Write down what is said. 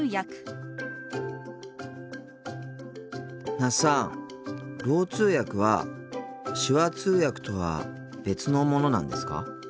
那須さんろう通訳は手話通訳とは別のものなんですか？